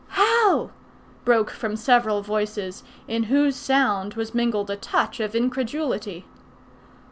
"How?" broke from several voices, in whose sound was mingled a touch of incredulity.